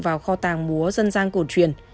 vào kho tàng múa dân gian cổ truyền